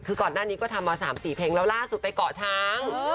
คือก่อนหน้านี้ก็ทำมา๓๔เพลงแล้วล่าสุดไปเกาะช้าง